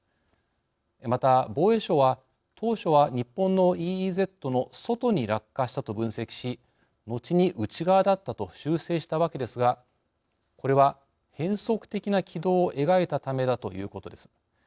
また防衛省は当初は日本のＥＥＺの外に落下したと分析し後に内側だったと修正したわけですがこれは変則的な軌道を描いたためだということです。